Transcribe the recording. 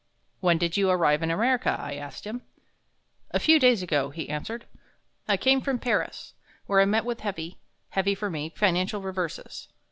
"When did you arrive in America?" I asked him. "A few days ago," he answered. "I came from Paris, where I met with heavy heavy for me financial reverses.